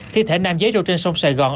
thi thể nam giấy rô trên sông sài gòn